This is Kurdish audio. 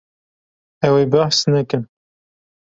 Ew ê behs nekin.